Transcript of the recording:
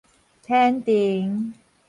天庭